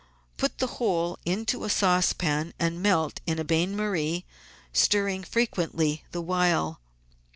Put the whole into a saucepan and melt in a bain marie, stir ring frequently the while.